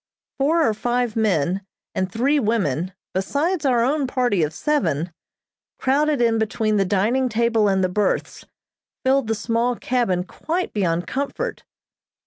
Four or five men and three women besides our own party of seven, crowded in between the dining table and the berths, filled the small cabin quite beyond comfort.